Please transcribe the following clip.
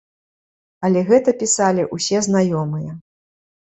Але гэта пісалі ўсе знаёмыя.